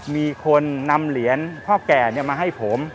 มีคนนำเหรียญพ่อแก่มาให้ผม